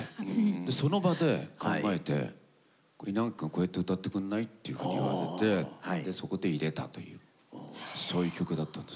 でその場で考えて「ここ稲垣君こうやって歌ってくんない？」っていうふうに言われてでそこで入れたというそういう曲だったんです。